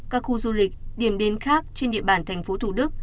các khu du lịch điểm đến khác trên địa bàn thành phố thủ đức